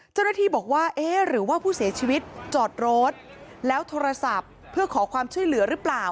เจ้าหน้าที่บอกว่าเอ๊ะหรือว่าผู้เสียชีวิตจอดรถแล้วโทรศัพท์เพื่อขอความช่วยเหลือหรือเปล่า